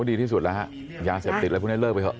ดีที่สุดแล้วยาเสพติดแล้วพูดให้เลิกไปเหรอ